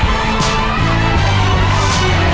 ต้องเต็มรถข้อ